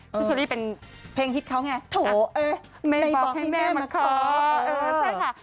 พี่โซรี่เป็นเพลงฮิตเขาไงถู๋ไม่บอกให้แม่มาเทาะ